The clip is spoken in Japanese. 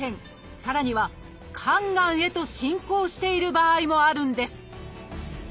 さらには「肝がん」へと進行している場合もあるんです。